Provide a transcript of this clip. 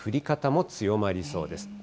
方も強まりそうです。